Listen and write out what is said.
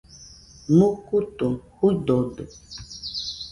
Mukutu juidode.